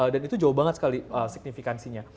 dan itu jauh banget sekali signifikansinya